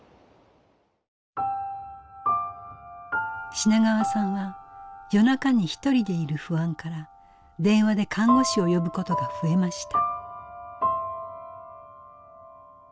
品川さんは夜中にひとりでいる不安から電話で看護師を呼ぶことが増えました。